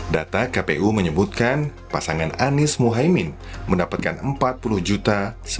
data kpu menyebutkan pasangan anies mohaimin mendapatkan empat puluh sembilan